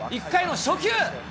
１回の初球。